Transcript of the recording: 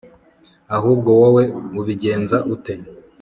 ahubwo wowe ubigenza ute